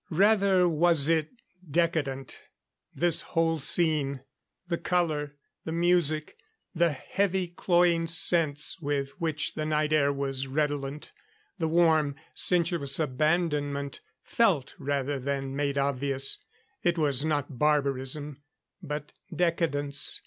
Rather was it decadent. This whole scene; the color, the music, the heavy cloying scents with which the night air was redolent; the warm, sensuous abandonment, felt rather than made obvious it was not barbarism, but decadence.